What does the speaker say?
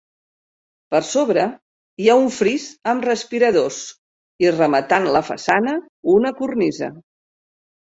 Per sobre hi ha un fris amb respiradors i, rematant la façana, una cornisa.